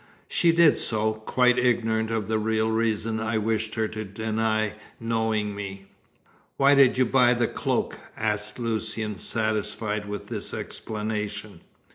She did so, quite ignorant of the real reason I wished her to deny knowing me." "Why did you buy the cloak?" asked Lucian, satisfied with this explanation.